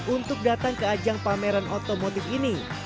untuk datang ke ajang pameran otomotif ini